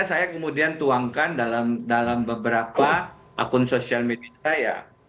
saya kemudian tuangkan dalam beberapa akun sosial media saya